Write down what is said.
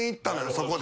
そこで。